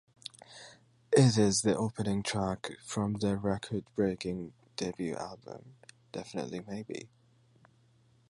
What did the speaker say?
It is the opening track from their record breaking debut album, "Definitely Maybe".